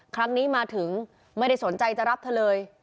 ครั้งนี้มาถึงไม่ได้สนใจจะรับเธอเลย